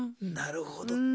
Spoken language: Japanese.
なるほど。